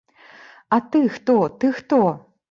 А ты хто, ты хто?